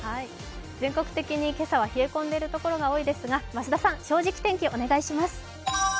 全国的に今朝は冷え込んでいるところが多いですが増田さん、「正直天気」お願いします。